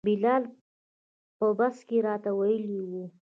بلال په بس کې راته ویلي وو.